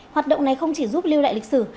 hoạt động này không chỉ giúp lưu lại lịch sử